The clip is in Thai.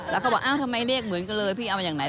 แล้วก็บอกอ้าวทำไมเลขเหมือนกันเลยพี่เอาอย่างไร